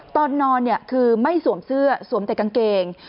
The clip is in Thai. ตอนนอนคือไม่สวมเสื้อสวมแต่กางเกง